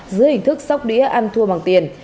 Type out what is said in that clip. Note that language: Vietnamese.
dưới hình thức sóc đĩa ăn thua bằng tiền